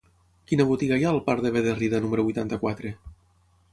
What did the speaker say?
Quina botiga hi ha al parc de Bederrida número vuitanta-quatre?